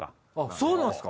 そうなんですか？